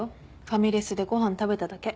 ファミレスでご飯食べただけ。